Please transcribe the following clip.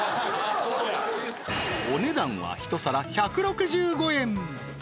そうやお値段は１皿１６５円